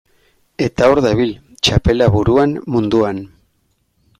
Eta hor dabil, txapela buruan, munduan.